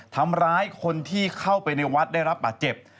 ทำร้ายคนที่เข้าไปในวัดได้รับบาดเจ็บ